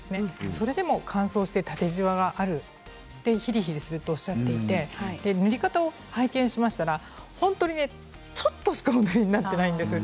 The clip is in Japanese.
それでも、乾燥して縦じわがあるヒリヒリするとおっしゃっていて塗り方を拝見しましたが本当にちょっとしか塗っていないんですよ。